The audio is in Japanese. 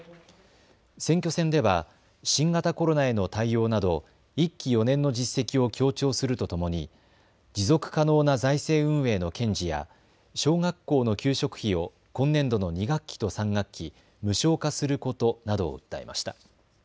選挙戦では新型コロナへの対応など１期４年の実績を強調するとともに持続可能な財政運営の堅持や小学校の給食費を今年度の２学期と３学期、無償化することなどを訴えました。